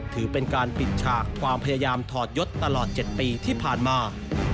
ถือเป็นการปิดฉากความพยายามถอดยศตลอด๗ปีที่ผ่านมา